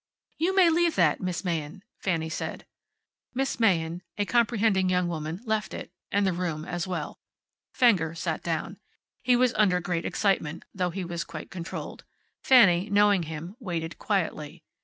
"You may leave that, Miss Mahin," Fanny said. Miss Mahin, a comprehending young woman, left it, and the room as well. Fenger sat down. He was under great excitement, though he was quite controlled. Fanny, knowing him, waited quietly.